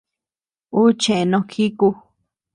Ú cheʼë no jíku.